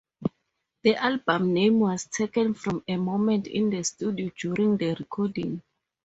The album name was taken from a moment in the studio during the recording.